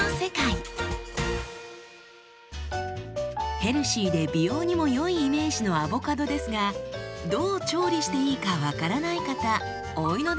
ヘルシーで美容にも良いイメージのアボカドですがどう調理していいか分からない方多いのではないでしょうか？